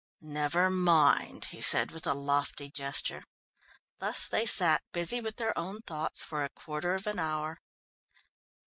"Never mind," he said with a lofty gesture. Thus they sat, busy with their own thoughts, for a quarter of an hour.